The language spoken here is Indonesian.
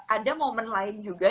ada momen lain juga